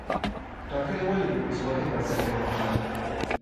ټاکنې ولي د ولسواکۍ بنسټ ګڼل کېږي؟